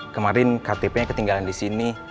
kemarin kartipnya ketinggalan disini